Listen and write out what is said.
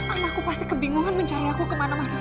anakku pasti kebingungan mencari aku kemana mana